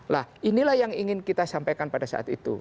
nah inilah yang ingin kita sampaikan pada saat itu